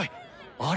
あれ。